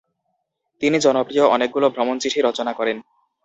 তিনি জনপ্রিয় অনেকগুলো ভ্রমণচিঠি রচনা করেন।